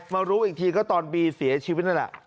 มารู้อีกทีก็ตอนบีเสียชีวิตนั่นแหละ